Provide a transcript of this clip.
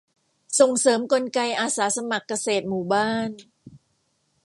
ส่งเสริมกลไกอาสาสมัครเกษตรหมู่บ้าน